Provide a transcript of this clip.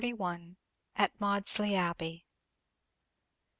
AT MAUDESLEY ABBEY.